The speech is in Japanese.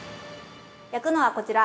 焼くのはこちら！